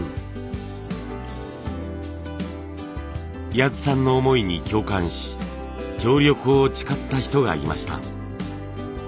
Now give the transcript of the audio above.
谷津さんの思いに共感し協力を誓った人がいました。